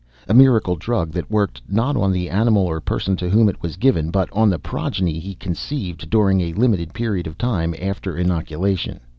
A miracle drug that worked not on the animal or person to whom it was given, but on the progeny he conceived during a limited period of time after inoculation.